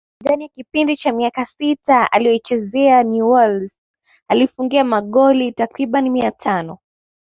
Ndani ya kipindi cha miaka sita aliyoichezea Newells aliifungia magoli takribani mia tano